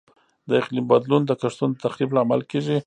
د اقلیم بدلون د کښتونو د تخریب لامل کیږي.